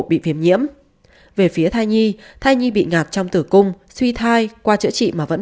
bị phiềm nhiễm về phía thai nhi thai nhi bị ngạt trong tử cung suy thai qua chữa trị mà vẫn